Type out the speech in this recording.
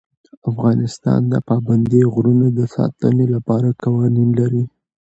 افغانستان د پابندی غرونه د ساتنې لپاره قوانین لري.